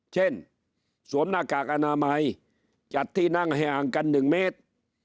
สวมหน้ากากอนามัยจัดที่นั่งให้ห่างกัน๑เมตร